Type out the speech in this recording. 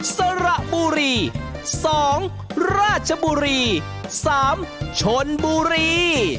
สระบุรี๒ราชบุรี๓ชนบุรี